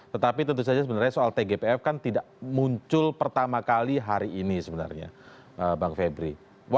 tetapi tentu saja sebenarnya soal tgpf kan tidak muncul pertama kali hari ini sebenarnya bang febri